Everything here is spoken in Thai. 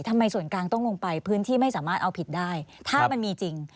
ทำไมส่วนกลางต้องลงไปพื้นที่ไม่สามารถเอาผิดได้ถ้ามันมีจริง